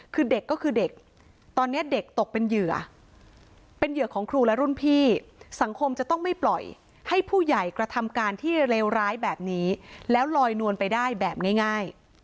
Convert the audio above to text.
คือเด็กก็คือเด็กตอนนี้เด็กตกเป็นเหยื่อเป็นเหยื่อของครูและรุ่นพี่สังคมจะต้องไม่ปล่อยให้ผู้ใหญ่กระทำการที่เลวร้ายแบบนี้แล้วลอยนวลไปได้แบบง่าย